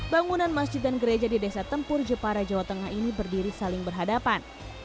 bangunan masjid dan gereja di desa tempur jepara jawa tengah ini berdiri saling berhadapan